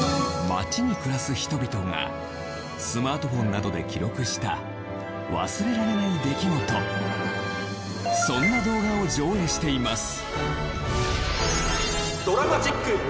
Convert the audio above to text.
街に暮らす人々がスマートフォンなどで記録した忘れられない出来事そんな動画を上映しています